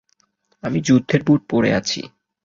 আমি যুদ্ধের বুট পরে আছি।